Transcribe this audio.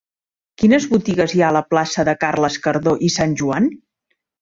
Quines botigues hi ha a la plaça de Carles Cardó i Sanjoan?